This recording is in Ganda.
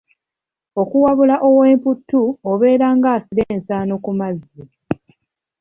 Okuwabula ow'emputtu obeera nga asira ensaano ku mazzi.